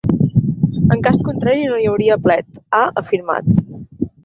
En cas contrari no hi hauria plet, ha afirmat.